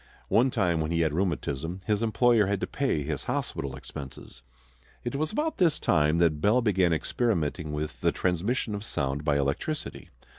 One time when he had rheumatism his employer had to pay his hospital expenses. It was about this time that Bell began experimenting with the transmission of sound by electricity.